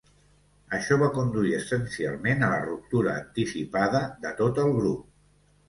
Això va conduir essencialment a la ruptura anticipada de tot el grup.